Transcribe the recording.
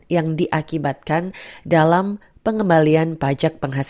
yang diakibatkan dalam pengembalian pajak penghasilan